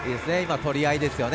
取り合いですよね。